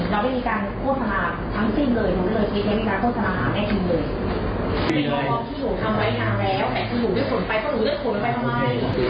เราไม่มีวิการโฆษณะทางสิ้นเลย